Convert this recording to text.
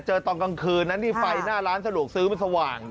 ตอนกลางคืนนะนี่ไฟหน้าร้านสะดวกซื้อมันสว่าง